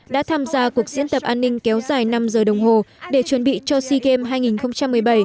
đã tham gia cuộc diễn tập an ninh kéo dài năm giờ đồng hồ để chuẩn bị cho sea games hai nghìn một mươi bảy